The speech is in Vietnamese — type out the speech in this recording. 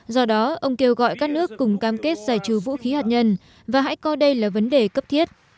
do đó ông kêu gọi các nước cùng cam kết giải trừ vũ khí hạt nhân và hãy coi đây là vấn đề cấp thiết